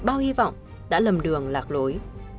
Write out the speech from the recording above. bao hy vọng đã lầm đường lạc lối